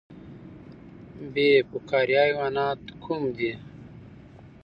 بې فقاریه حیوانات کوم دي؟